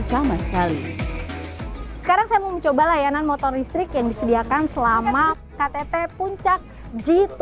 sama sekali sekarang saya mau mencoba layanan motor listrik yang disediakan selama ktt puncak g dua puluh